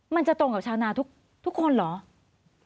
มันจะตรงกับชาวนาทุกคนเหรอ